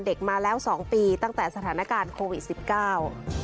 มาแล้วสองปีตั้งแต่สถานการณ์โควิดสิบเก้า